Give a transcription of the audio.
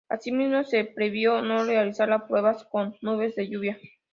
Así mismo se previó no realizar la prueba con nubes de lluvia.